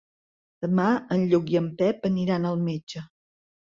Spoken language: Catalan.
Demà en Lluc i en Pep aniran al metge.